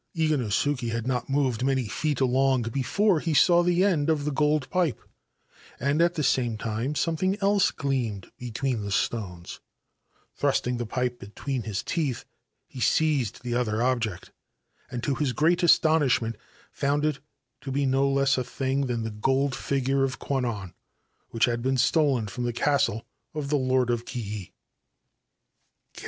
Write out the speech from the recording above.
Iganosuke had not moved many feet al< before he saw the end of the gold pipe, and at the s; time something else gleaming between the stoi Thrusting the pipe between his teeth, he seized the ot object, and to his great astonishment found it to be less a thing than the gold figure of Kwannon which been stolen from the castle of the Lord of Kii.